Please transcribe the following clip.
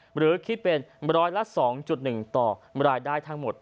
หรือคิดเป็นร้อยละ๒๑ต่อรายได้ทั้งหมด